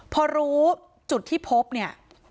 พอรู้จุดที่พบเนี่ย